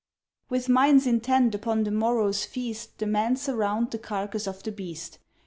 With minds intent upon the morrow's feast, The men surround the carcass of the beast.